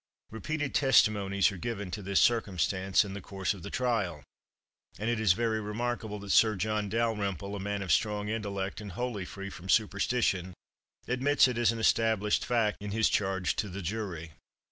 Repeated testimonies are given to this circumstance in the course of the trial; and it is very remarkable that Sir John Dalrymple, a man of strong intellect, and wholly free from superstition, admits it as an established fact in his charge to the jury.